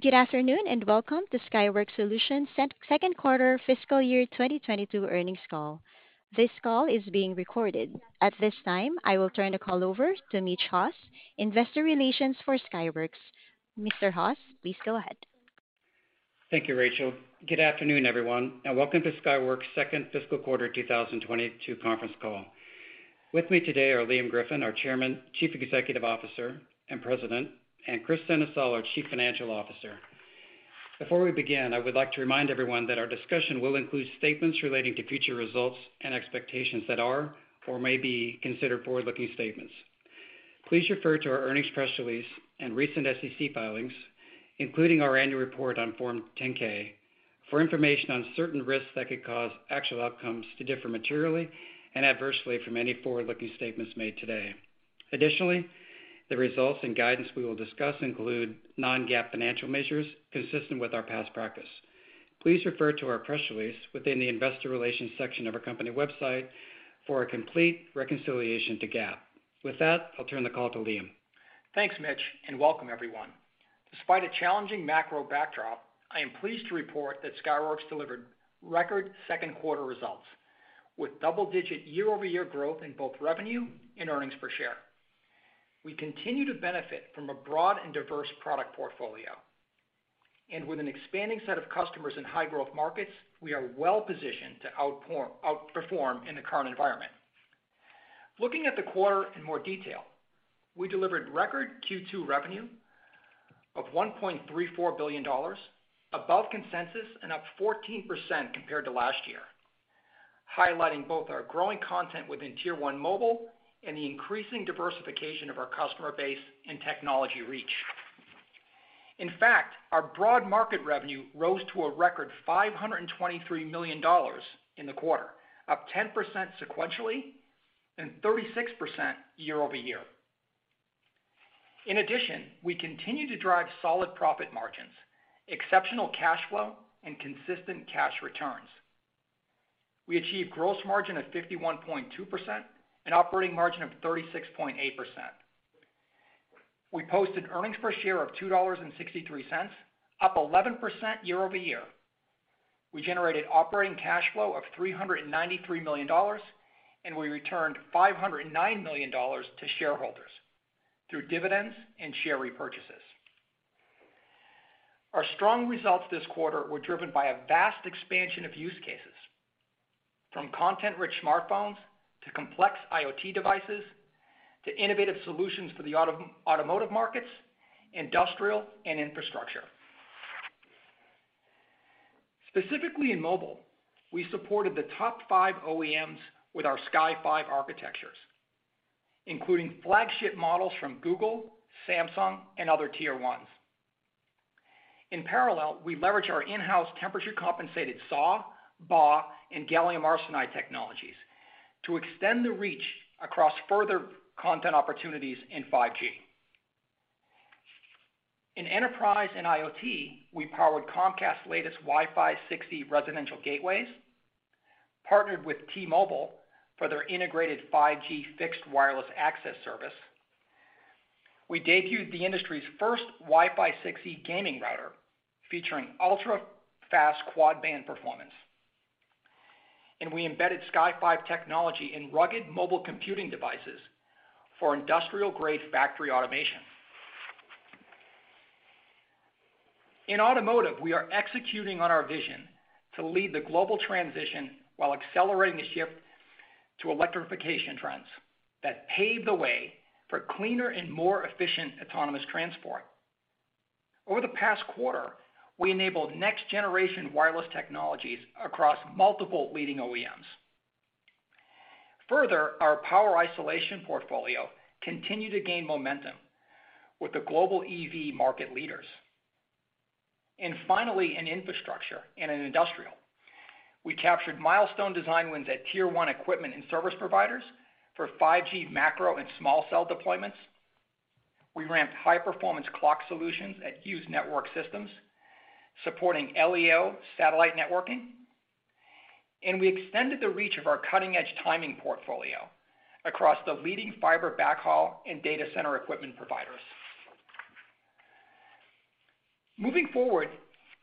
Good afternoon, and welcome to Skyworks Solutions' second quarter fiscal year 2022 earnings call. This call is being recorded. At this time, I will turn the call over to Mitch Haws, Investor Relations for Skyworks. Mr. Haws, please go ahead. Thank you, Rachel. Good afternoon, everyone, and welcome to Skyworks' second fiscal quarter 2022 conference call. With me today are Liam Griffin, our Chairman, Chief Executive Officer, and President, and Kris Sennesael, our Chief Financial Officer. Before we begin, I would like to remind everyone that our discussion will include statements relating to future results and expectations that are or may be considered forward-looking statements. Please refer to our earnings press release and recent SEC filings, including our annual report on Form 10-K, for information on certain risks that could cause actual outcomes to differ materially and adversely from any forward-looking statements made today. Additionally, the results and guidance we will discuss include non-GAAP financial measures consistent with our past practice. Please refer to our press release within the investor relations section of our company website for a complete reconciliation to GAAP. With that, I'll turn the call to Liam. Thanks, Mitch, and welcome everyone. Despite a challenging macro backdrop, I am pleased to report that Skyworks delivered record second quarter results with double-digit year-over-year growth in both revenue and earnings per share. We continue to benefit from a broad and diverse product portfolio. With an expanding set of customers in high growth markets, we are well-positioned to outperform in the current environment. Looking at the quarter in more detail, we delivered record Q2 revenue of $1.34 billion, above consensus and up 14% compared to last year, highlighting both our growing content within tier one mobile and the increasing diversification of our customer base and technology reach. In fact, our broad market revenue rose to a record $523 million in the quarter, up 10% sequentially and 36% year-over-year. In addition, we continue to drive solid profit margins, exceptional cash flow, and consistent cash returns. We achieved gross margin of 51.2% and operating margin of 36.8%. We posted earnings per share of $2.63, up 11% year-over-year. We generated operating cash flow of $393 million, and we returned $509 million to shareholders through dividends and share repurchases. Our strong results this quarter were driven by a vast expansion of use cases, from content-rich smartphones to complex IoT devices to innovative solutions for the automotive markets, industrial and infrastructure. Specifically in mobile, we supported the top five OEMs with our Sky5 architectures, including flagship models from Google, Samsung and other tier ones. In parallel, we leverage our in-house temperature compensated SAW, BAW, and gallium arsenide technologies to extend the reach across further connectivity opportunities in 5G. In enterprise and IoT, we powered Comcast's latest Wi-Fi 6E residential gateways, partnered with T-Mobile for their integrated 5G fixed wireless access service. We debuted the industry's first Wi-Fi 6E gaming router featuring ultra-fast quad band performance, and we embedded Sktechnology in rugged mobile computing devices for industrial-grade factory automation. In automotive, we are executing on our vision to lead the global transition while accelerating the shift to electrification trends that pave the way for cleaner and more efficient autonomous transport. Over the past quarter, we enabled next-generation wireless technologies across multiple leading OEMs. Further, our power isolation portfolio continued to gain momentum with the global EV market leaders. Finally, in infrastructure and in industrial, we captured milestone design wins at tier one equipment and service providers for 5G macro and small cell deployments. We ramped high-performance clock solutions at Hughes Network Systems, supporting LEO satellite networking. We extended the reach of our cutting-edge timing portfolio across the leading fiber backhaul and data center equipment providers. Moving forward,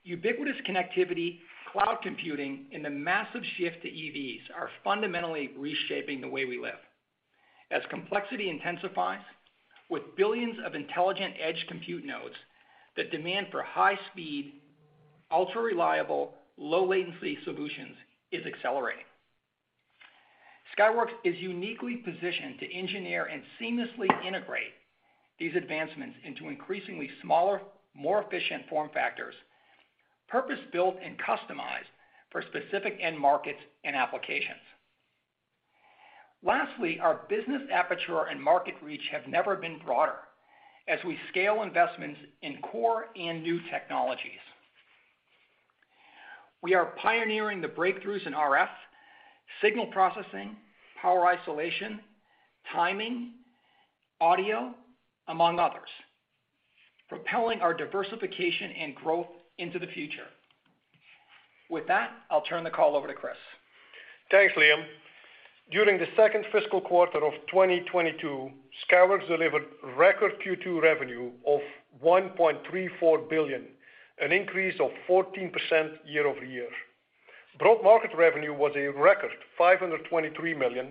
ubiquitous connectivity, cloud computing, and the massive shift to EVs are fundamentally reshaping the way we live. As complexity intensifies with billions of intelligent edge compute nodes, the demand for high speed, ultra-reliable, low latency solutions is accelerating. Skyworks is uniquely positioned to engineer and seamlessly integrate these advancements into increasingly smaller, more efficient form factors, purpose-built and customized for specific end markets and applications. Lastly, our business aperture and market reach have never been broader as we scale investments in core and new technologies. We are pioneering the breakthroughs in RF, signal processing, power isolation, timing, audio, among others, propelling our diversification and growth into the future. With that, I'll turn the call over to Kris. Thanks, Liam. During the second fiscal quarter of 2022, Skyworks delivered record Q2 revenue of $1.34 billion, an increase of 14% year-over-year. Broad market revenue was a record $523 million,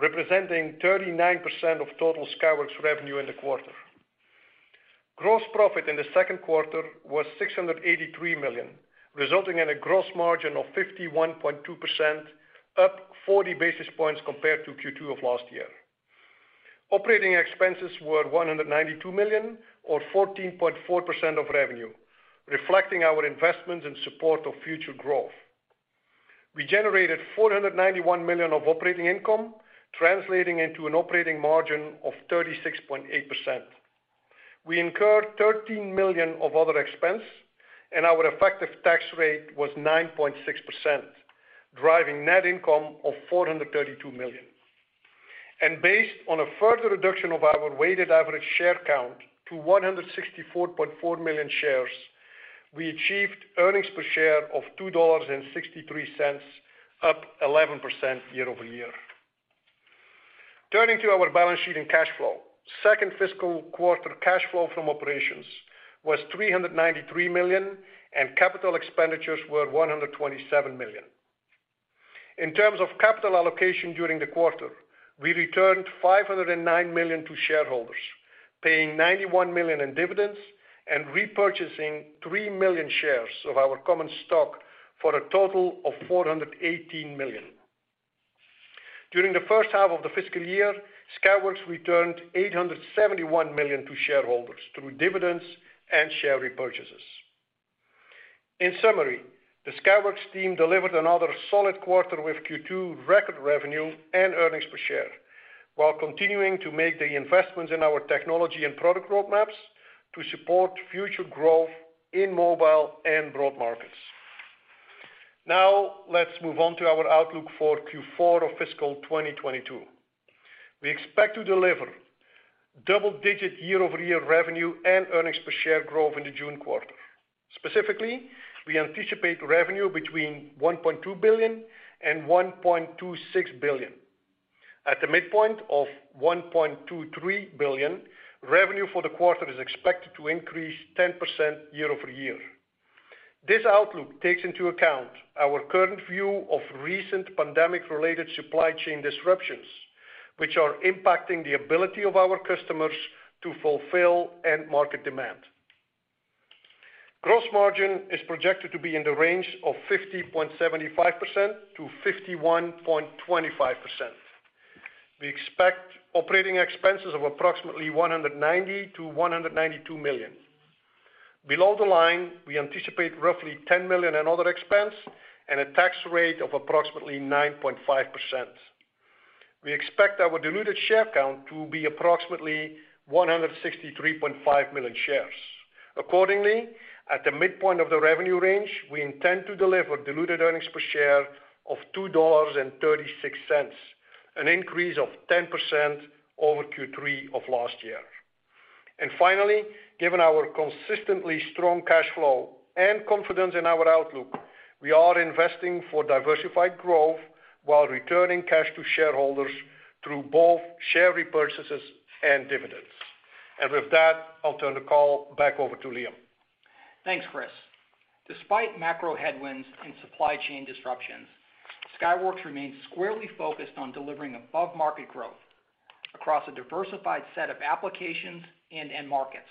representing 39% of total Skyworks revenue in the quarter. Gross profit in the second quarter was $683 million, resulting in a gross margin of 51.2%, up 40 basis points compared to Q2 of last year. Operating expenses were $192 million or 14.4% of revenue, reflecting our investment in support of future growth. We generated $491 million of operating income, translating into an operating margin of 36.8%. We incurred $13 million of other expense, and our effective tax rate was 9.6%, driving net income of $432 million. Based on a further reduction of our weighted average share count to 164.4 million shares, we achieved earnings per share of $2.63, up 11% year-over-year. Turning to our balance sheet and cash flow. Second fiscal quarter cash flow from operations was $393 million, and capital expenditures were $127 million. In terms of capital allocation during the quarter, we returned $509 million to shareholders, paying $91 million in dividends and repurchasing 3 million shares of our common stock for a total of $418 million. During the first half of the fiscal year, Skyworks returned $871 million to shareholders through dividends and share repurchases. In summary, the Skyworks team delivered another solid quarter with Q2 record revenue and earnings per share, while continuing to make the investments in our technology and product roadmaps to support future growth in mobile and broad markets. Now let's move on to our outlook for Q4 of fiscal 2022. We expect to deliver double-digit year-over-year revenue and earnings per share growth in the June quarter. Specifically, we anticipate revenue between $1.2 billion and $1.26 billion. At the midpoint of $1.23 billion, revenue for the quarter is expected to increase 10% year-over-year. This outlook takes into account our current view of recent pandemic-related supply chain disruptions, which are impacting the ability of our customers to fulfill end market demand. Gross margin is projected to be in the range of 50.75%-51.25%. We expect operating expenses of approximately $190 million-$192 million. Below the line, we anticipate roughly $10 million in other expense and a tax rate of approximately 9.5%. We expect our diluted share count to be approximately 163.5 million shares. Accordingly, at the midpoint of the revenue range, we intend to deliver diluted earnings per share of $2.36, an increase of 10% over Q3 of last year. Finally, given our consistently strong cash flow and confidence in our outlook, we are investing for diversified growth while returning cash to shareholders through both share repurchases and dividends. With that, I'll turn the call back over to Liam. Thanks, Kris. Despite macro headwinds and supply chain disruptions, Skyworks remains squarely focused on delivering above-market growth across a diversified set of applications and end markets.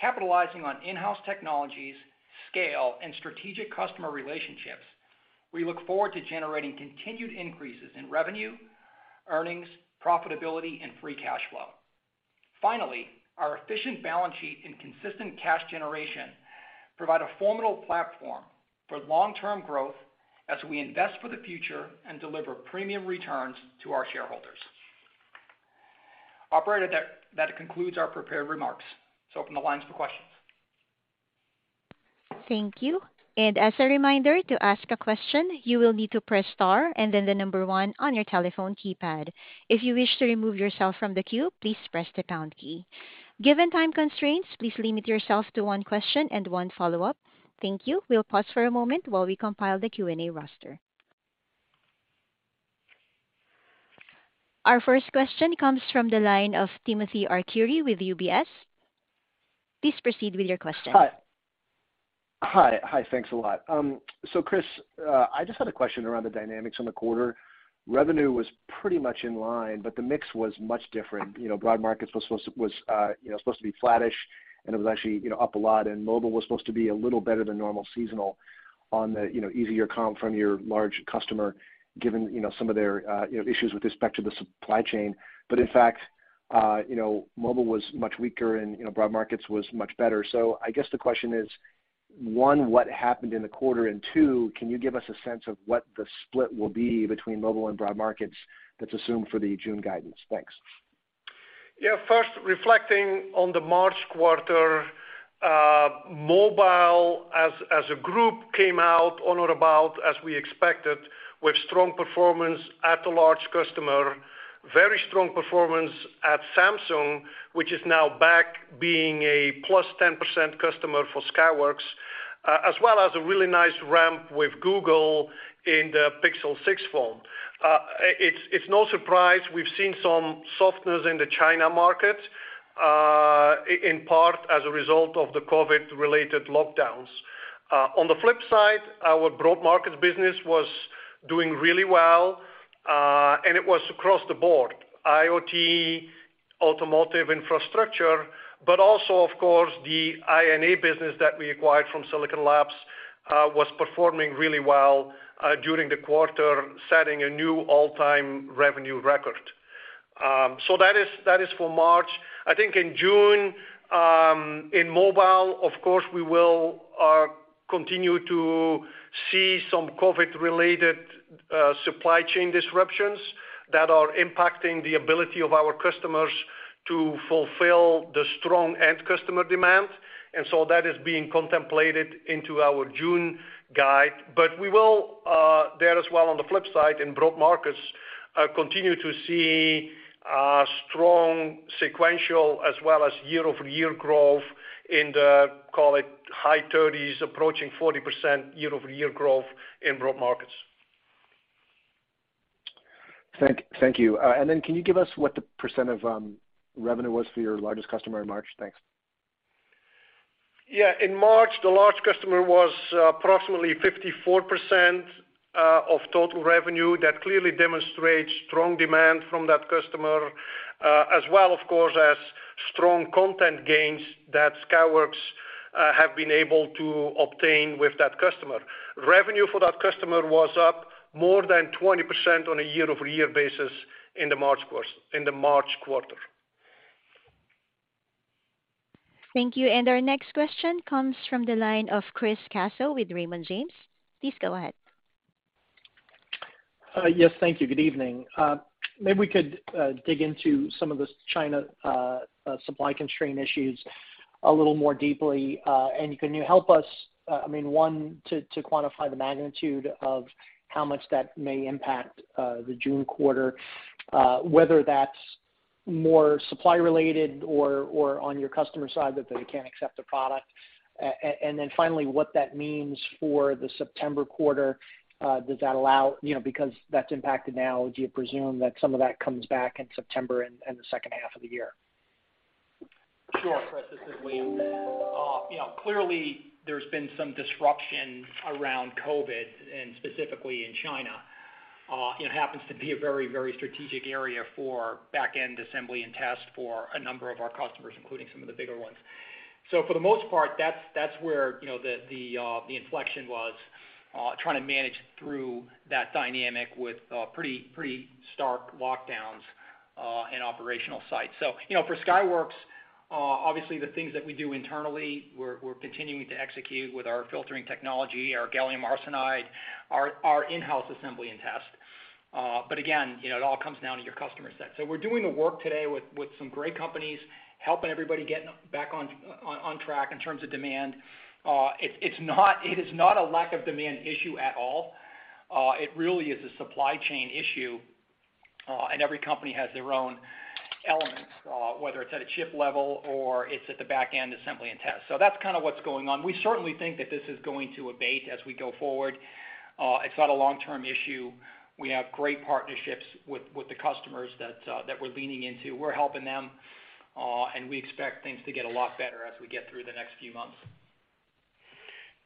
Capitalizing on in-house technologies, scale, and strategic customer relationships, we look forward to generating continued increases in revenue, earnings, profitability, and free cash flow. Finally, our efficient balance sheet and consistent cash generation provide a formidable platform for long-term growth as we invest for the future and deliver premium returns to our shareholders. Operator, that concludes our prepared remarks. Let's open the lines for questions. Thank you. As a reminder, to ask a question, you will need to press star and then the one key on your telephone keypad. If you wish to remove yourself from the queue, please press the pound key. Given time constraints, please limit yourself to one question and one follow-up. Thank you. We'll pause for a moment while we compile the Q&A roster. Our first question comes from the line of Timothy Arcuri with UBS. Please proceed with your question. Hi. Thanks a lot. Kris, I just had a question around the dynamics on the quarter. Revenue was pretty much in line, but the mix was much different. You know, Broad Markets was supposed to be flattish, and it was actually, you know, up a lot, and Mobile was supposed to be a little better than normal seasonal on the, you know, easier comp from your large customer given, you know, some of their, you know, issues with respect to the supply chain. But in fact, you know, Mobile was much weaker and, you know, Broad Markets was much better. I guess the question is, one, what happened in the quarter? Two, can you give us a sense of what the split will be between Mobile and Broad Markets that's assumed for the June guidance? Thanks. First, reflecting on the March quarter, mobile as a group came out on or about as we expected, with strong performance at the large customer. Very strong performance at Samsung, which is now back being a plus 10% customer for Skyworks, as well as a really nice ramp with Google in the Pixel 6 phone. It's no surprise we've seen some softness in the China market, in part as a result of the COVID-related lockdowns. On the flip side, our broad markets business was doing really well, and it was across the board, IoT, automotive infrastructure, but also, of course, the I&A business that we acquired from Silicon Labs, was performing really well, during the quarter, setting a new all-time revenue record. That is for March. I think in June, in mobile, of course, we will continue to see some COVID-related supply chain disruptions that are impacting the ability of our customers to fulfill the strong end customer demand. That is being contemplated into our June guide. We will there as well on the flip side in broad markets continue to see strong sequential as well as year-over-year growth in the, call it, high 30s approaching 40% year-over-year growth in broad markets. Thank you. Can you give us what the percent of revenue was for your largest customer in March? Thanks. Yeah. In March, the large customer was approximately 54% of total revenue that clearly demonstrates strong demand from that customer, as well, of course, as strong content gains that Skyworks have been able to obtain with that customer. Revenue for that customer was up more than 20% on a year-over-year basis in the March quarter. Thank you. Our next question comes from the line of Chris Caso with Raymond James. Please go ahead. Yes. Thank you. Good evening. Maybe we could dig into some of this China supply constraint issues a little more deeply. And can you help us, I mean, one, to quantify the magnitude of how much that may impact the June quarter, whether that's more supply related or on your customer side that they can't accept a product? And then finally, what that means for the September quarter, does that allow you know, because that's impacted now, would you presume that some of that comes back in September and the second half of the year? Sure, Chris. This is Liam. You know, clearly there's been some disruption around COVID and specifically in China. It happens to be a very strategic area for back-end assembly and test for a number of our customers, including some of the bigger ones. For the most part, that's where you know the inflection was, trying to manage through that dynamic with pretty stark lockdowns and operational sites. You know, for Skyworks, obviously the things that we do internally, we're continuing to execute with our filtering technology, our gallium arsenide, our in-house assembly and test. Again, you know, it all comes down to your customer set. We're doing the work today with some great companies, helping everybody get back on track in terms of demand. It is not a lack of demand issue at all. It really is a supply chain issue, and every company has their own elements, whether it's at a chip level or it's at the back end assembly and test. That's kind of what's going on. We certainly think that this is going to abate as we go forward. It's not a long-term issue. We have great partnerships with the customers that we're leaning into. We're helping them, and we expect things to get a lot better as we get through the next few months.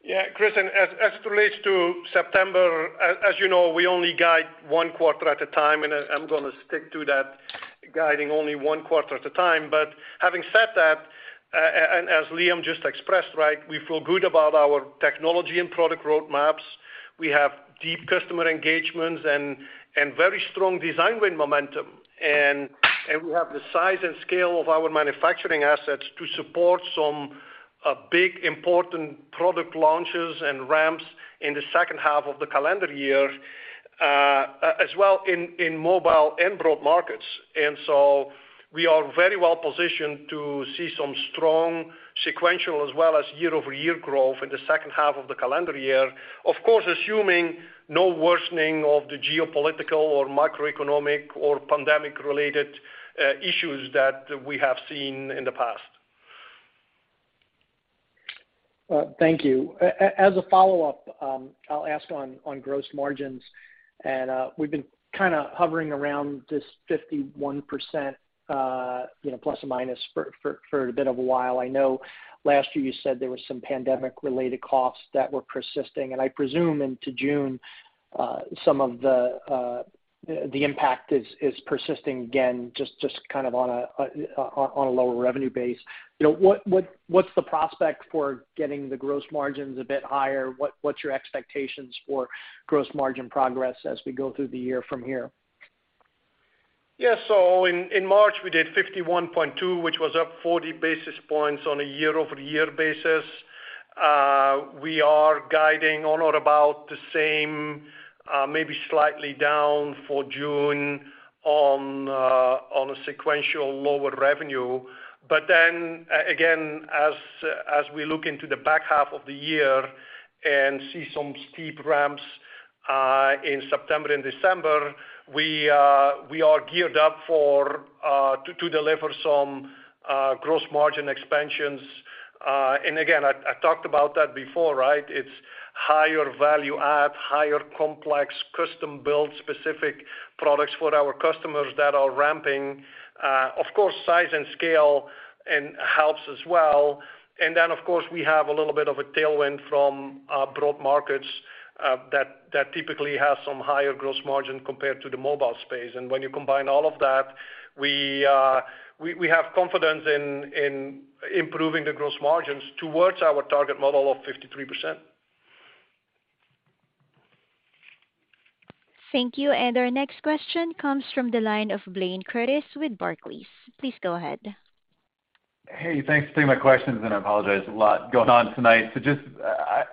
Yeah, Chris, and as it relates to September, as you know, we only guide one quarter at a time, and I'm gonna stick to that guiding only one quarter at a time. Having said that, and as Liam just expressed, right, we feel good about our technology and product roadmaps. We have deep customer engagements and very strong design win momentum. We have the size and scale of our manufacturing assets to support some big, important product launches and ramps in the second half of the calendar year, as well in mobile and broad markets. We are very well positioned to see some strong sequential as well as year-over-year growth in the second half of the calendar year. Of course, assuming no worsening of the geopolitical or macroeconomic or pandemic-related issues that we have seen in the past. Thank you. As a follow-up, I'll ask on gross margins, and we've been kinda hovering around this 51%, you know, plus or minus for a bit of a while. I know last year you said there was some pandemic-related costs that were persisting, and I presume into June some of the impact is persisting again, just kind of on a lower revenue base. You know, what's the prospect for getting the gross margins a bit higher? What's your expectations for gross margin progress as we go through the year from here? In March, we did 51.2%, which was up 40 basis points on a year-over-year basis. We are guiding on or about the same, maybe slightly down for June on a sequential lower revenue. Then again, as we look into the back half of the year and see some steep ramps in September and December, we are geared up to deliver some gross margin expansions. And again, I talked about that before, right? It's higher value add, higher complex custom-built specific products for our customers that are ramping. Of course, size and scale helps as well. Then, of course, we have a little bit of a tailwind from our broad markets that typically have some higher gross margin compared to the mobile space. When you combine all of that, we have confidence in improving the gross margins towards our target model of 53%. Thank you. Our next question comes from the line of Blayne Curtis with Barclays. Please go ahead. Hey, thanks for taking my questions, and I apologize. A lot going on tonight. Just, I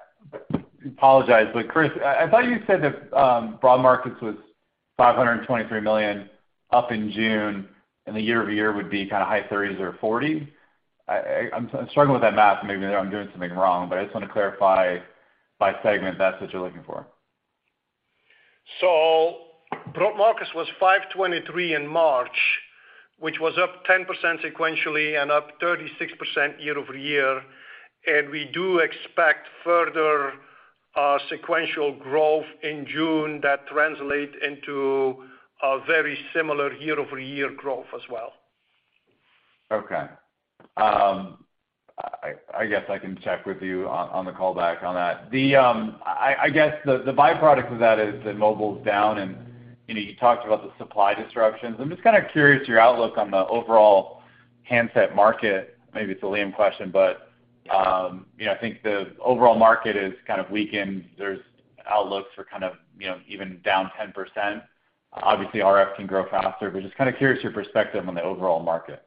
apologize, but Chris, I thought you said that broad markets was $523 million up in June, and the year-over-year would be kinda high 30% or 40%. I'm struggling with that math, maybe I'm doing something wrong. I just wanna clarify by segment that's what you're looking for. Broad markets was $523 in March, which was up 10% sequentially and up 36% year-over-year. We do expect further sequential growth in June that translate into a very similar year-over-year growth as well. Okay. I guess I can check with you on the call back on that. The byproduct of that is that mobile's down and, you know, you talked about the supply disruptions. I'm just kinda curious your outlook on the overall handset market. Maybe it's a Liam question, but, you know, I think the overall market is kind of weakened. There's outlooks for kind of, you know, even down 10%. Obviously, RF can grow faster, but just kinda curious your perspective on the overall market. I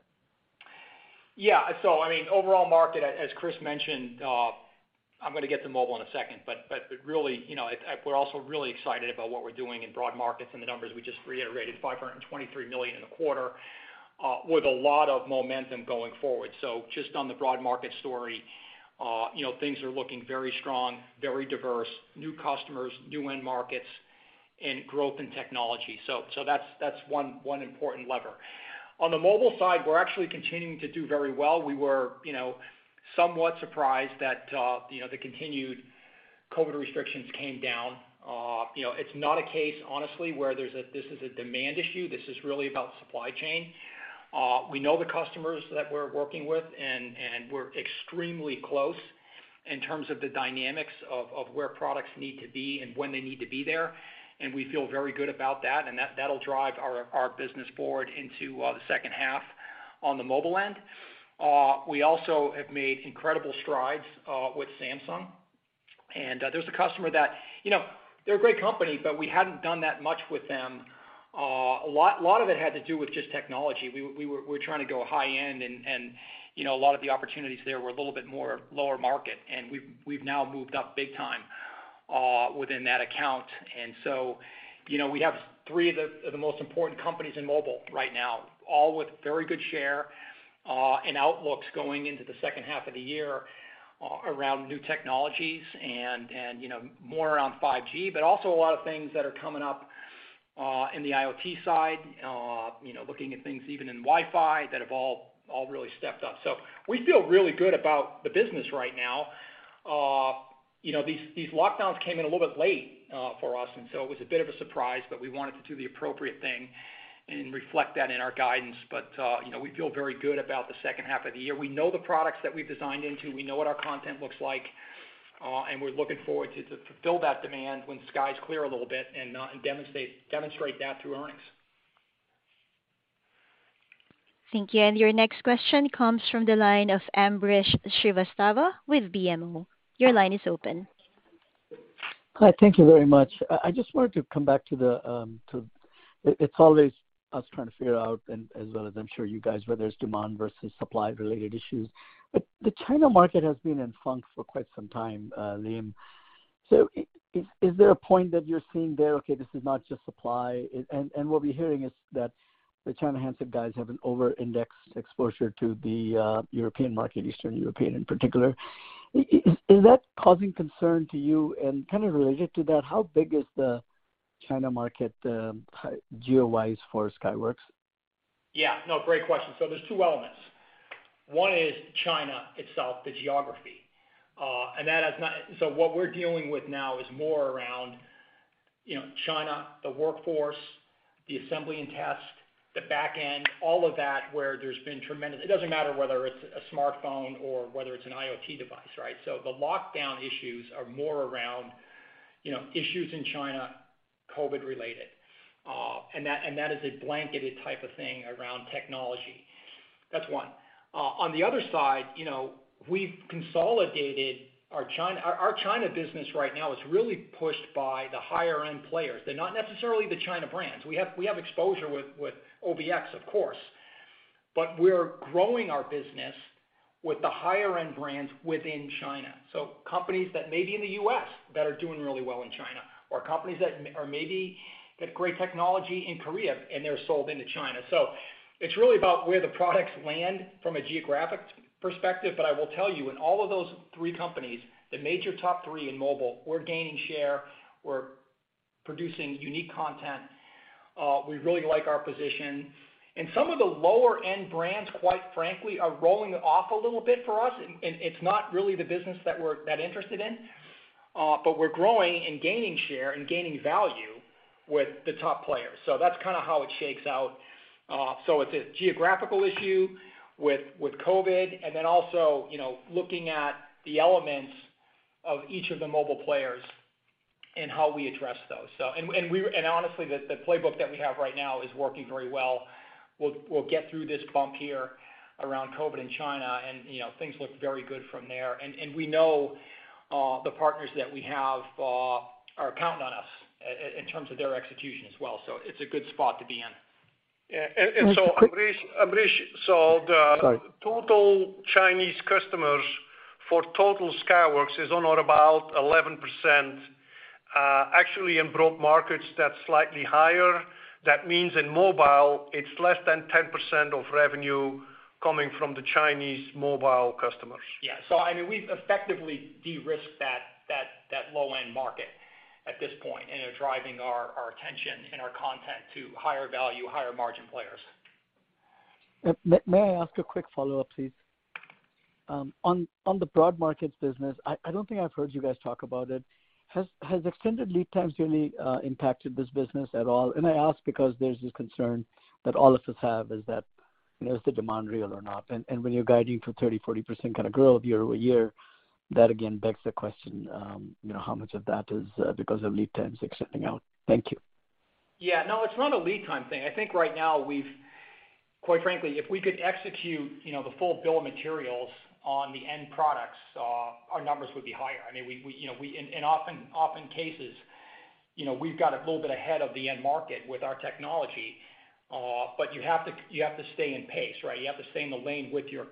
mean, overall market, as Chris mentioned, I'm gonna get to mobile in a second, but really, we're also really excited about what we're doing in broad markets and the numbers we just reiterated, $523 million in a quarter, with a lot of momentum going forward. Just on the broad market story, things are looking very strong, very diverse, new customers, new end markets, and growth in technology. That's one important lever. On the mobile side, we're actually continuing to do very well. We were somewhat surprised that the continued COVID restrictions came down. It's not a case, honestly, where this is a demand issue. This is really about supply chain. We know the customers that we're working with and we're extremely close in terms of the dynamics of where products need to be and when they need to be there. We feel very good about that, and that'll drive our business forward into the second half on the mobile end. We also have made incredible strides with Samsung. There's a customer that, you know, they're a great company, but we hadn't done that much with them. A lot of it had to do with just technology. We're trying to go high end and, you know, a lot of the opportunities there were a little bit more lower market, and we've now moved up big time within that account. You know, we have three of the most important companies in mobile right now, all with very good share and outlooks going into the second half of the year around new technologies and, you know, more around 5G, but also a lot of things that are coming up in the IoT side, you know, looking at things even in Wi-Fi that have all really stepped up. We feel really good about the business right now. You know, these lockdowns came in a little bit late for us, and so it was a bit of a surprise, but we wanted to do the appropriate thing and reflect that in our guidance. You know, we feel very good about the second half of the year. We know the products that we've designed into, we know what our content looks like, and we're looking forward to fulfill that demand when skies clear a little bit and demonstrate that through earnings. Thank you. Your next question comes from the line of Ambrish Srivastava with BMO. Your line is open. Hi, thank you very much. I just wanted to come back to it. It's always us trying to figure out, as well as I'm sure you guys, whether there's demand versus supply-related issues. The China market has been in a funk for quite some time, Liam. Is there a point that you're seeing there, okay, this is not just supply? What we're hearing is that the China handset guys have an over-indexed exposure to the European market, Eastern European in particular. Is that causing concern to you? Kind of related to that, how big is the China market, geo-wise, for Skyworks? Yeah. No, great question. There's two elements. One is China itself, the geography. What we're dealing with now is more around, you know, China, the workforce, the assembly and test, the back end, all of that where there's been tremendous. It doesn't matter whether it's a smartphone or whether it's an IoT device, right? The lockdown issues are more around, you know, issues in China, COVID-related, and that is a blanketed type of thing around technology. That's one. On the other side, you know, we've consolidated our China. Our China business right now is really pushed by the higher-end players. They're not necessarily the China brands. We have exposure with OPPO, of course. But we're growing our business with the higher-end brands within China. Companies that may be in the U.S. that are doing really well in China, or companies that are maybe have great technology in Korea, and they're sold into China. It's really about where the products land from a geographic perspective. I will tell you, in all of those three companies, the major top three in mobile, we're gaining share. We're producing unique content. We really like our position. Some of the lower-end brands, quite frankly, are rolling off a little bit for us, and it's not really the business that we're that interested in. We're growing and gaining share and gaining value with the top players. That's kind of how it shakes out. It's a geographical issue with COVID, and then also, you know, looking at the elements of each of the mobile players and how we address those. Honestly, the playbook that we have right now is working very well. We'll get through this bump here around COVID in China and, you know, things look very good from there. We know the partners that we have are counting on us in terms of their execution as well. It's a good spot to be in. Yeah. Just a quick Ambrish. Sorry. Total Chinese customers for total Skyworks is only about 11%. Actually in broad markets, that's slightly higher. That means in mobile, it's less than 10% of revenue coming from the Chinese mobile customers. Yeah. I mean, we've effectively de-risked that low-end market at this point and are driving our attention and our content to higher value, higher margin players. May I ask a quick follow-up, please? On the broad markets business, I don't think I've heard you guys talk about it. Has extended lead times really impacted this business at all? I ask because there's this concern that all of us have is that, you know, is the demand real or not? When you're guiding for 30%-40% kind of growth year-over-year, that again begs the question, you know, how much of that is because of lead times extending out? Thank you. Yeah. No, it's not a lead time thing. I think right now we've quite frankly, if we could execute, you know, the full bill of materials on the end products, our numbers would be higher. I mean, in many cases, you know, we've got a little bit ahead of the end market with our technology, but you have to stay in pace, right? You have to stay in the lane with your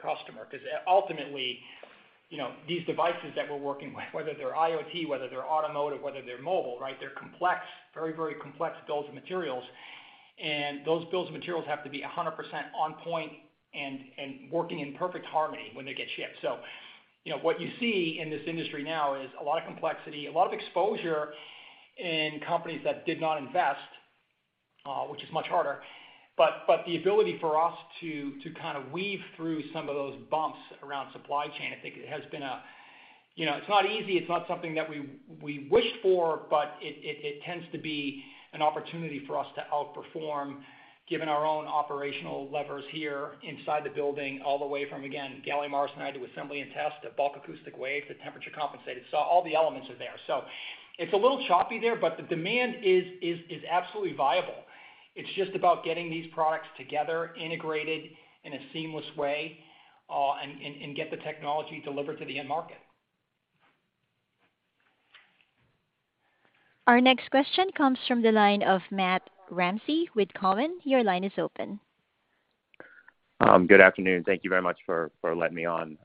customer. 'Cause ultimately, you know, these devices that we're working with, whether they're IoT, whether they're automotive, whether they're mobile, right? They're complex, very, very complex bills of materials, and those bills of materials have to be 100% on point and working in perfect harmony when they get shipped. You know, what you see in this industry now is a lot of complexity, a lot of exposure in companies that did not invest, which is much harder. But the ability for us to kind of weave through some of those bumps around supply chain, I think it has been a. You know, it's not easy. It's not something that we wished for, but it tends to be an opportunity for us to outperform given our own operational levers here inside the building, all the way from, again, gallium arsenide to assembly and test, to bulk acoustic wave to temperature compensated. All the elements are there. It's a little choppy there, but the demand is absolutely viable. It's just about getting these products together, integrated in a seamless way, and get the technology delivered to the end market. Our next question comes from the line of Matt Ramsay with Cowen. Your line is open. Good afternoon. Thank you very much for letting me on.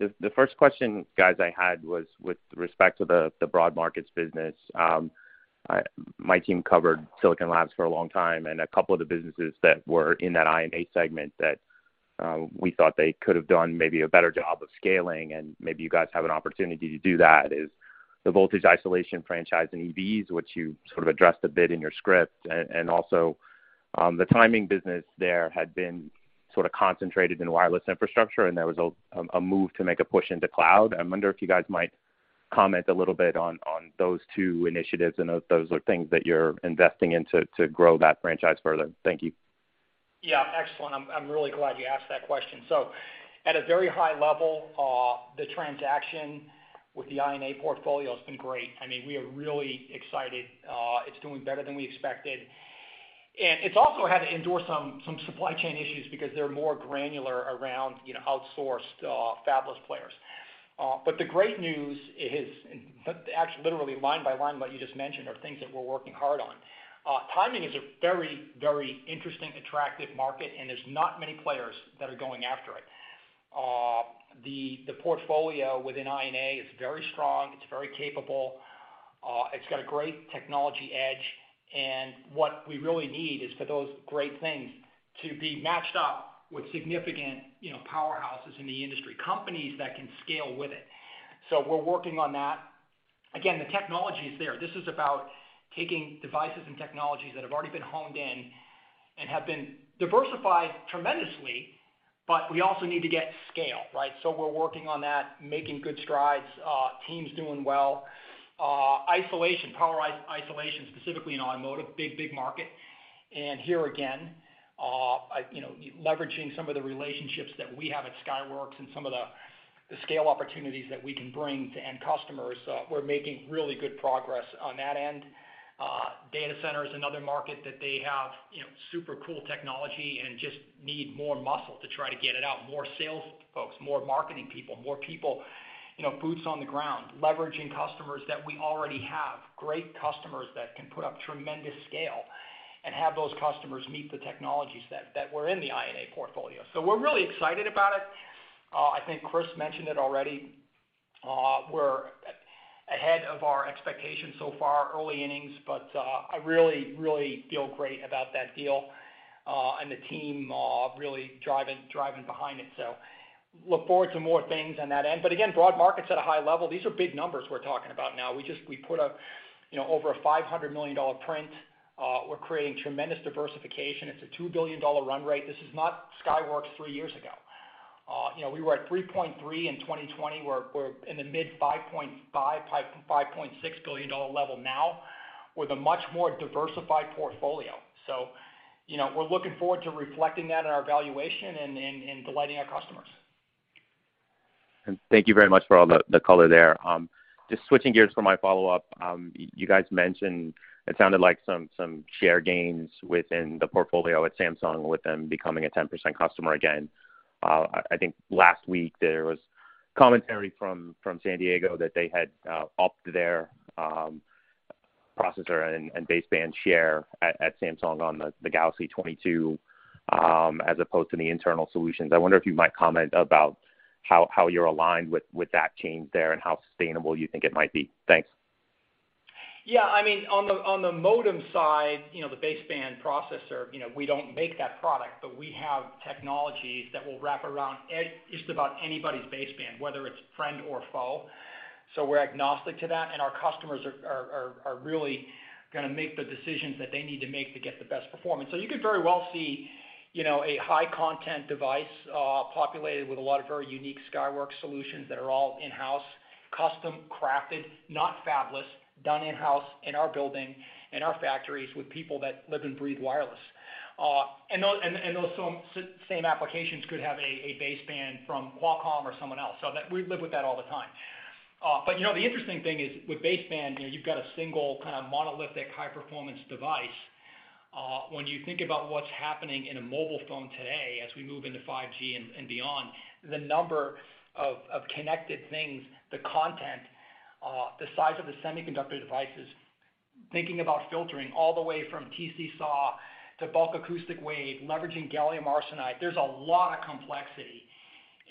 The first question, guys, I had was with respect to the broad markets business. My team covered Silicon Labs for a long time, and a couple of the businesses that were in that I&A segment that we thought they could have done maybe a better job of scaling, and maybe you guys have an opportunity to do that, is the voltage isolation franchise in EVs, which you sort of addressed a bit in your script. And also, the timing business there had been sort of concentrated in wireless infrastructure, and there was a move to make a push into cloud. I wonder if you guys might comment a little bit on those two initiatives and if those are things that you're investing in to grow that franchise further. Thank you. Yeah. Excellent. I'm really glad you asked that question. At a very high level, the transaction with the I&A portfolio has been great. I mean, we are really excited. It's doing better than we expected. It's also had to endure some supply chain issues because they're more granular around, you know, outsourced, fabless players. But the great news is, actually literally line by line what you just mentioned are things that we're working hard on. Timing is a very, very interesting, attractive market, and there's not many players that are going after it. The portfolio within I&A is very strong. It's very capable. It's got a great technology edge. What we really need is for those great things to be matched up with significant, you know, powerhouses in the industry, companies that can scale with it. We're working on that. Again, the technology is there. This is about taking devices and technologies that have already been honed in and have been diversified tremendously, but we also need to get scale, right? We're working on that, making good strides. Team's doing well. Isolation, power isolation, specifically in automotive, big market. Here again, I, you know, leveraging some of the relationships that we have at Skyworks and some of the scale opportunities that we can bring to end customers. We're making really good progress on that end. Data center is another market that they have, you know, super cool technology and just need more muscle to try to get it out. More sales folks, more marketing people, more people. You know, boots on the ground, leveraging customers that we already have, great customers that can put up tremendous scale and have those customers meet the technologies that were in the I&A portfolio. We're really excited about it. I think Kris mentioned it already. We're ahead of our expectations so far, early innings, but I really feel great about that deal, and the team really driving behind it. Look forward to more things on that end. Again, broad market's at a high level. These are big numbers we're talking about now. We just put, you know, over a $500 million print. We're creating tremendous diversification. It's a $2 billion run rate. This is not Skyworks three years ago. You know, we were at 3.3 in 2020. We're in the mid $5.5- $5.6 billion level now with a much more diversified portfolio. You know, we're looking forward to reflecting that in our valuation and delighting our customers. Thank you very much for all the color there. Just switching gears for my follow-up. You guys mentioned it sounded like some share gains within the portfolio at Samsung with them becoming a 10% customer again. I think last week there was commentary from San Diego that they had upped their processor and baseband share at Samsung on the Galaxy S22, as opposed to the internal solutions. I wonder if you might comment about how you're aligned with that change there and how sustainable you think it might be. Thanks. Yeah. I mean, on the modem side, you know, the baseband processor, you know, we don't make that product, but we have technologies that will wrap around just about anybody's baseband, whether it's friend or foe. So we're agnostic to that, and our customers are really gonna make the decisions that they need to make to get the best performance. So you could very well see, you know, a high content device populated with a lot of very unique Skyworks solutions that are all in-house, custom crafted, not fabless, done in-house in our building, in our factories with people that live and breathe wireless. And those same applications could have a baseband from Qualcomm or someone else. So that we live with that all the time. You know, the interesting thing is, with baseband, you know, you've got a single kind of monolithic high-performance device. When you think about what's happening in a mobile phone today as we move into 5G and beyond, the number of connected things, the content, the size of the semiconductor devices, thinking about filtering all the way from TC SAW to bulk acoustic wave, leveraging gallium arsenide, there's a lot of complexity,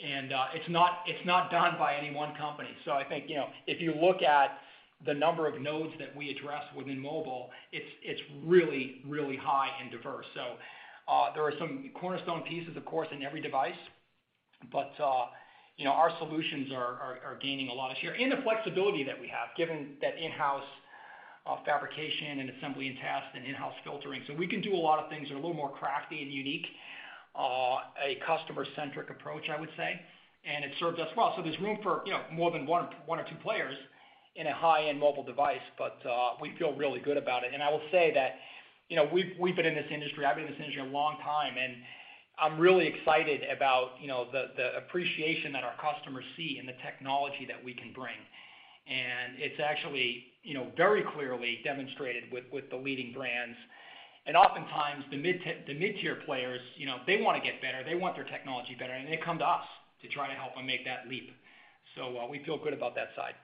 and it's not done by any one company. I think, you know, if you look at the number of nodes that we address within mobile, it's really high and diverse. There are some cornerstone pieces, of course, in every device, but you know, our solutions are gaining a lot of share. The flexibility that we have, given that in-house fabrication and assembly and test and in-house filtering. We can do a lot of things that are a little more crafty and unique, a customer-centric approach, I would say. It served us well. There's room for, you know, more than one or two players in a high-end mobile device, but we feel really good about it. I will say that, you know, we've been in this industry, I've been in this industry a long time, and I'm really excited about, you know, the appreciation that our customers see and the technology that we can bring. It's actually, you know, very clearly demonstrated with the leading brands. Oftentimes the mid-tier players, you know, they wanna get better, they want their technology better, and they come to us to try to help them make that leap. We feel good about that side.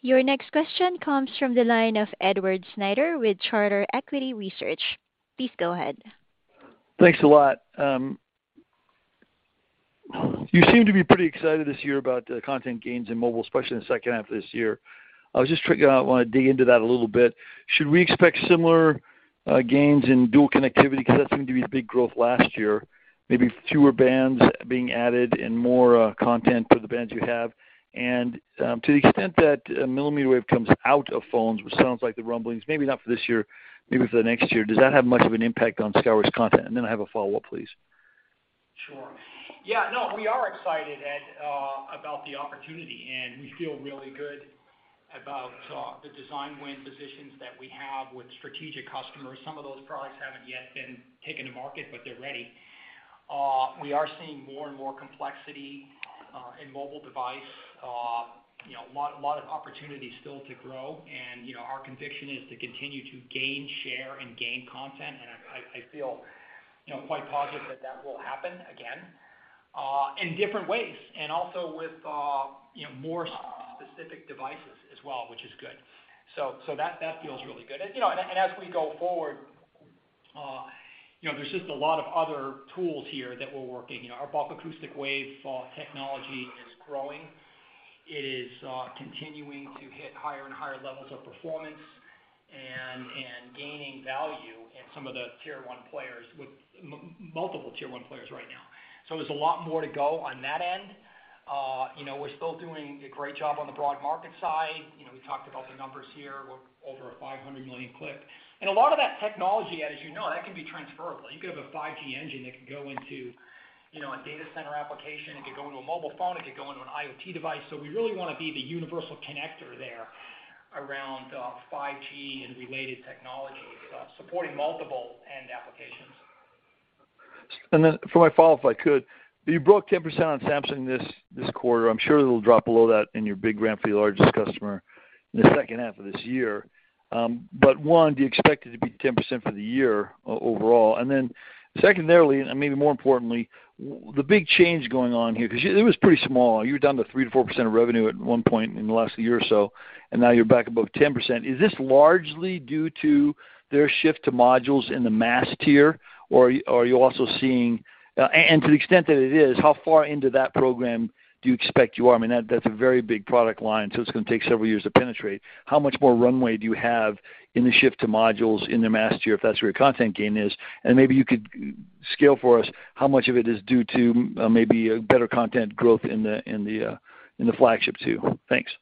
Your next question comes from the line of Edward Snyder with Charter Equity Research. Please go ahead. Thanks a lot. You seem to be pretty excited this year about the content gains in mobile, especially in the second half of this year. I wanna dig into that a little bit. Should we expect similar gains in dual connectivity? 'Cause that seemed to be a big growth last year, maybe fewer bands being added and more content for the bands you have. To the extent that millimeter wave comes out of phones, which sounds like the rumblings, maybe not for this year, maybe for the next year, does that have much of an impact on Skyworks content? I have a follow-up, please. Sure. Yeah, no, we are excited, Ed, about the opportunity, and we feel really good about the design win positions that we have with strategic customers. Some of those products haven't yet been taken to market, but they're ready. We are seeing more and more complexity in mobile device. You know, lot of opportunities still to grow. Our conviction is to continue to gain share and gain content, and I feel, you know, quite positive that that will happen again in different ways and also with you know, more specific devices as well, which is good. That feels really good. As we go forward, you know, there's just a lot of other tools here that we're working. You know, our bulk acoustic wave technology is growing. It is continuing to hit higher and higher levels of performance and gaining value in some of the tier one players with multiple tier one players right now. There's a lot more to go on that end. You know, we're still doing a great job on the broad market side. You know, we talked about the numbers here. We're over a $500 million clip. A lot of that technology, Ed, as you know, can be transferable. You could have a 5G engine that can go into, you know, a data center application. It could go into a mobile phone. It could go into an IoT device. We really wanna be the universal connector there around 5G and related technologies supporting multiple end applications. For my follow-up, if I could, you broke 10% on Samsung this quarter. I'm sure it'll drop below that in your big ramp for your largest customer in the second half of this year. One, do you expect it to be 10% for the year overall? Secondarily, and maybe more importantly, the big change going on here, because it was pretty small. You were down to 3%-4% of revenue at one point in the last year or so, and now you're back above 10%. Is this largely due to their shift to modules in the mass tier, or are you also seeing and to the extent that it is, how far into that program do you expect you are? I mean, that's a very big product line, so it's gonna take several years to penetrate. How much more runway do you have in the shift to modules in the mass tier, if that's where your content gain is? Maybe you could scale for us how much of it is due to maybe a better content growth in the flagship too. Thanks.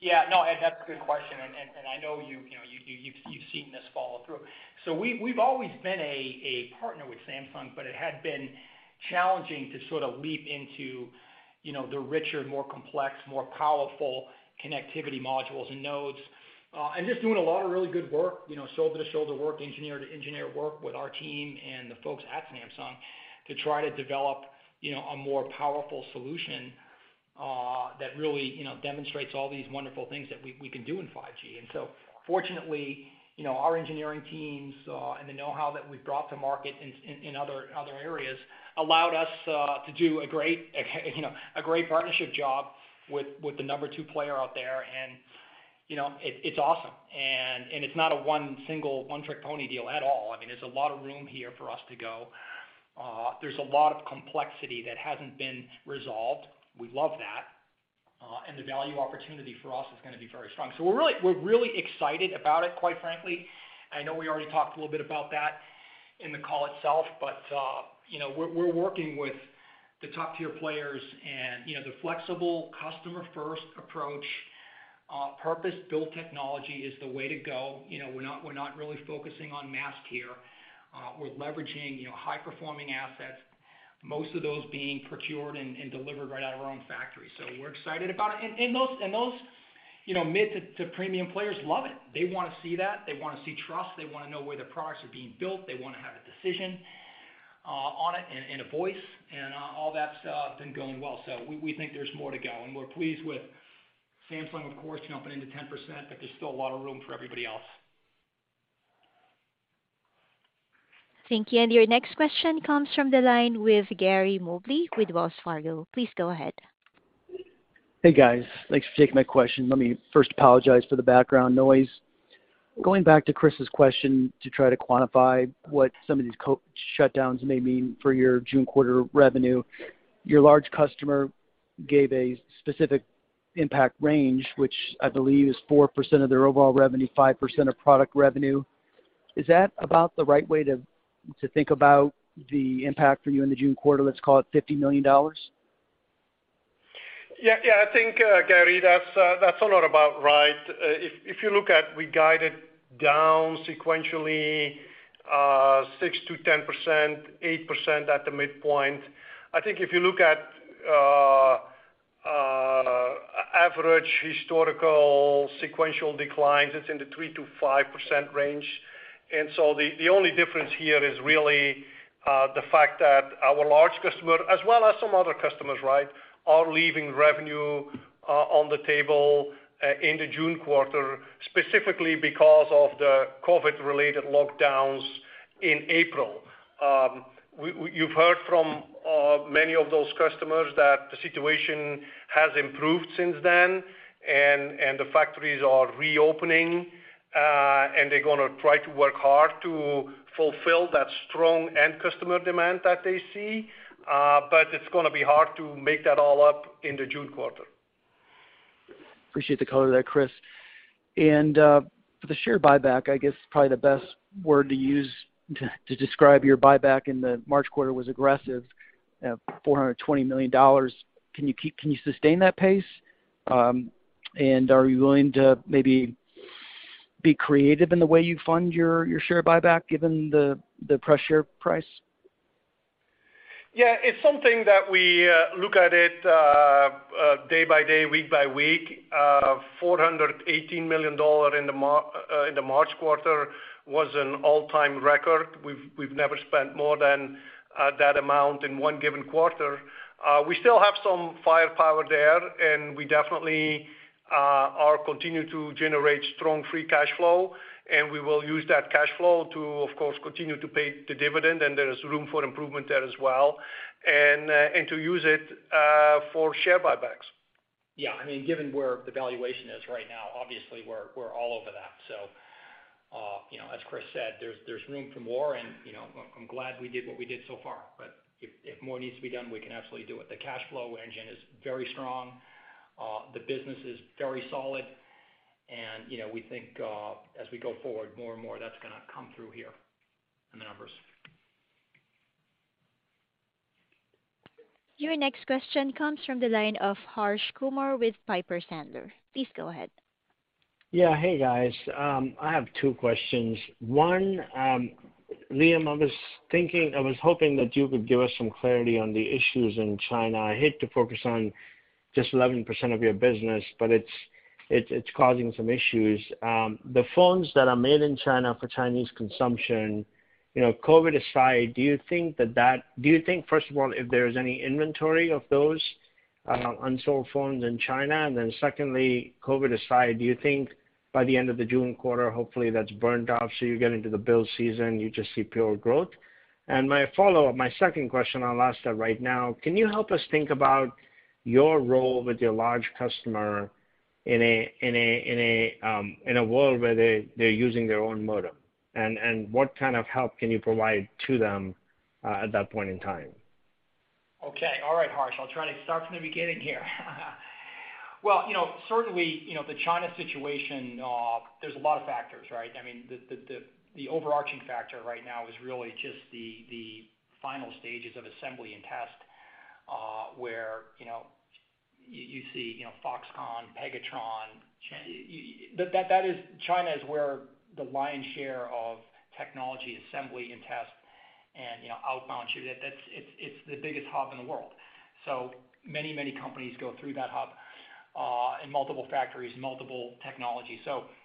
Yeah, no, Ed, that's a good question. I know you know, you've seen this follow through. We've always been a partner with Samsung, but it had been challenging to sort of leap into, you know, the richer, more complex, more powerful connectivity modules and nodes, and just doing a lot of really good work, you know, shoulder to shoulder work, engineer to engineer work with our team and the folks at Samsung to try to develop, you know, a more powerful solution, that really, you know, demonstrates all these wonderful things that we can do in 5G. Fortunately, you know, our engineering teams and the know-how that we've brought to market in other areas allowed us to do a great, you know, a great partnership job with the number two player out there. You know, it's awesome. It's not a one single one trick pony deal at all. I mean, there's a lot of room here for us to go. There's a lot of complexity that hasn't been resolved. We love that. The value opportunity for us is gonna be very strong. We're really excited about it, quite frankly. I know we already talked a little bit about that in the call itself, but you know, we're working with the top tier players and you know, the flexible customer-first approach, purpose-built technology is the way to go. You know, we're not really focusing on mass tier. We're leveraging you know, high-performing assets, most of those being procured and delivered right out of our own factory. So we're excited about it. And those you know, mid to premium players love it. They wanna see that. They wanna see trust. They wanna know where the products are being built. They wanna have a decision on it and a voice. And all that stuff been going well. So we think there's more to go. We're pleased with Samsung, of course, jumping into 10%, but there's still a lot of room for everybody else. Thank you. Your next question comes from the line with Gary Mobley with Wells Fargo. Please go ahead. Hey, guys. Thanks for taking my question. Let me first apologize for the background noise. Going back to Kris's question to try to quantify what some of these shutdowns may mean for your June quarter revenue, your large customer gave a specific impact range, which I believe is 4% of their overall revenue, 5% of product revenue. Is that about the right way to think about the impact for you in the June quarter, let's call it $50 million? Yeah, yeah. I think, Gary, that's about right. If you look at we guided down sequentially, 6%-10%, 8% at the midpoint. I think if you look at average historical sequential declines, it's in the 3%-5% range. The only difference here is really the fact that our large customer as well as some other customers, right, are leaving revenue on the table in the June quarter, specifically because of the COVID-related lockdowns in April. You've heard from many of those customers that the situation has improved since then and the factories are reopening, and they're gonna try to work hard to fulfill that strong end customer demand that they see. It's gonna be hard to make that all up in the June quarter. Appreciate the color there, Kris. For the share buyback, I guess probably the best word to use to describe your buyback in the March quarter was aggressive. $420 million. Can you sustain that pace? Are you willing to maybe be creative in the way you fund your share buyback given the share price? Yeah. It's something that we look at day by day, week by week. $418 million in the March quarter was an all-time record. We've never spent more than that amount in one given quarter. We still have some firepower there, and we definitely are continuing to generate strong free cash flow, and we will use that cash flow to, of course, continue to pay the dividend, and there is room for improvement there as well, and to use it for share buybacks. Yeah. I mean, given where the valuation is right now, obviously, we're all over that. So, you know, as Kris said, there's room for more and, you know, I'm glad we did what we did so far. But if more needs to be done, we can absolutely do it. The cash flow engine is very strong. The business is very solid. You know, we think, as we go forward, more and more that's gonna come through here in the numbers. Your next question comes from the line of Harsh Kumar with Piper Sandler. Please go ahead. Yeah. Hey, guys. I have two questions. One, Liam, I was thinking, I was hoping that you could give us some clarity on the issues in China. I hate to focus on. Just 11% of your business, but it's causing some issues. The phones that are made in China for Chinese consumption, you know, COVID aside, do you think, first of all, if there's any inventory of those unsold phones in China? Then secondly, COVID aside, do you think by the end of the June quarter, hopefully that's burnt off, so you get into the build season, you just see pure growth? My follow-up, my second question, I'll ask that right now. Can you help us think about your role with your large customer in a world where they're using their own modem? And what kind of help can you provide to them at that point in time? Okay. All right, Harsh. I'll try to start from the beginning here. Well, you know, certainly, you know, the China situation, there's a lot of factors, right? I mean, the overarching factor right now is really just the final stages of assembly and test, where, you know, you see, you know, Foxconn, Pegatron. That is China is where the lion's share of technology assembly and test and, you know, outbound shipment. That's it's the biggest hub in the world. Many companies go through that hub in multiple factories, multiple technologies.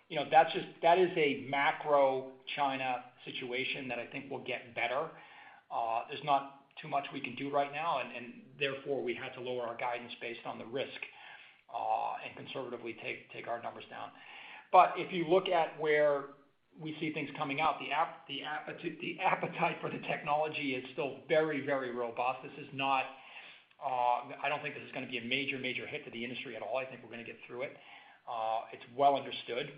You know, that's just that is a macro China situation that I think will get better. There's not too much we can do right now, and therefore, we had to lower our guidance based on the risk, and conservatively take our numbers down. If you look at where we see things coming out, the appetite for the technology is still very, very robust. This is not, I don't think this is gonna be a major hit to the industry at all. I think we're gonna get through it. It's well understood.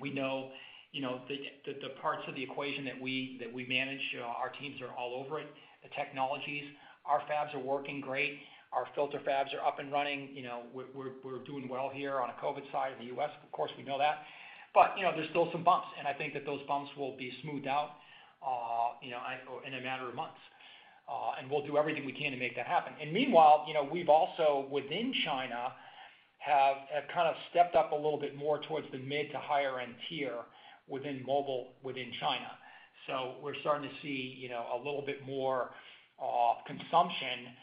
We know, you know, the parts of the equation that we manage, our teams are all over it, the technologies. Our fabs are working great. Our filter fabs are up and running. You know, we're doing well here on a COVID side of the US. Of course, we know that. you know, there's still some bumps, and I think that those bumps will be smoothed out in a matter of months. We'll do everything we can to make that happen. Meanwhile, you know, we've also within China have kind of stepped up a little bit more towards the mid to higher end tier within mobile within China. We're starting to see you know, a little bit more consumption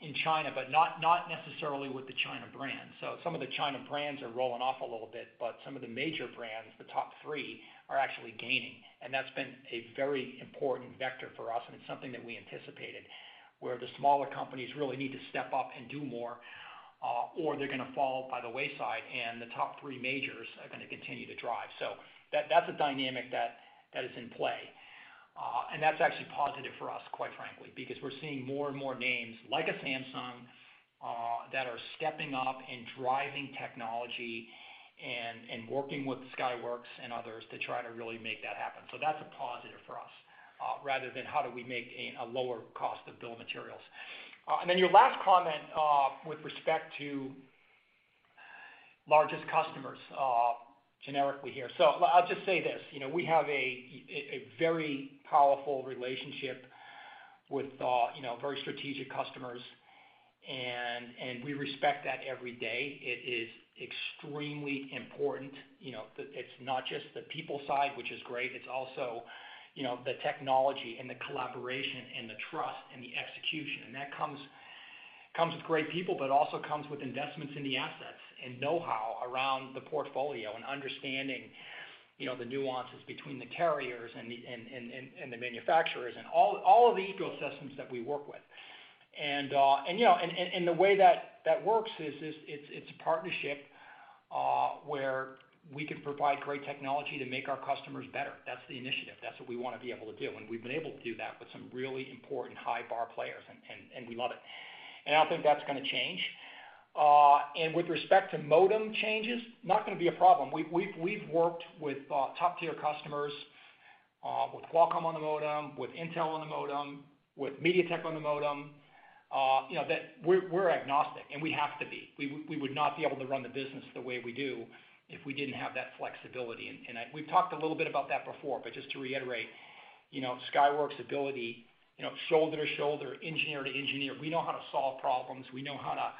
in China, but not necessarily with the China brands. Some of the China brands are rolling off a little bit, but some of the major brands, the top three, are actually gaining. That's been a very important vector for us, and it's something that we anticipated, where the smaller companies really need to step up and do more, or they're gonna fall by the wayside, and the top three majors are gonna continue to drive. That's a dynamic that is in play. And that's actually positive for us, quite frankly, because we're seeing more and more names like Samsung that are stepping up and driving technology and working with Skyworks and others to try to really make that happen. That's a positive for us, rather than how do we make a lower cost of bill of materials. And then your last comment with respect to largest customers, generically here. I'll just say this, you know, we have a very powerful relationship with, you know, very strategic customers, and we respect that every day. It is extremely important, you know, that it's not just the people side, which is great, it's also, you know, the technology and the collaboration and the trust and the execution. That comes with great people, but also comes with investments in the assets and know-how around the portfolio and understanding, you know, the nuances between the carriers and the manufacturers and all of the ecosystems that we work with. And the way that works is it's a partnership, where we can provide great technology to make our customers better. That's the initiative. That's what we wanna be able to do. We've been able to do that with some really important high bar players, and we love it. I don't think that's gonna change. With respect to modem changes, not gonna be a problem. We've worked with top-tier customers with Qualcomm on the modem, with Intel on the modem, with MediaTek on the modem, you know, that we're agnostic, and we have to be. We would not be able to run the business the way we do if we didn't have that flexibility. We've talked a little bit about that before, but just to reiterate, you know, Skyworks' ability, you know, shoulder to shoulder, engineer to engineer, we know how to solve problems, we know how to,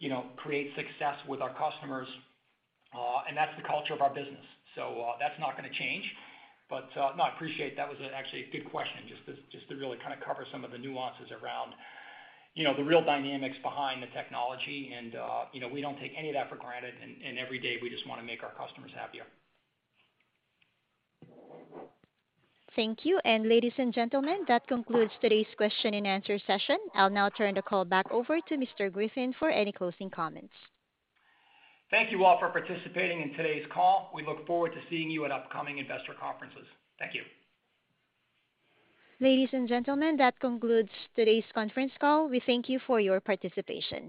you know, create success with our customers, and that's the culture of our business. That's not gonna change. No, I appreciate that was actually a good question, just to really kinda cover some of the nuances around, you know, the real dynamics behind the technology and, you know, we don't take any of that for granted, and every day we just wanna make our customers happier. Thank you. Ladies and gentlemen, that concludes today's question and answer session. I'll now turn the call back over to Mr. Griffin for any closing comments. Thank you all for participating in today's call. We look forward to seeing you at upcoming investor conferences. Thank you. Ladies and gentlemen, that concludes today's conference call. We thank you for your participation.